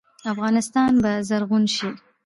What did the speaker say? افغانستان به زرغون شي؟